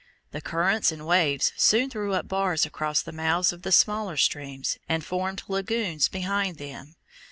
The currents and waves soon threw up bars across the mouths of the smaller streams, and formed lagoons behind them.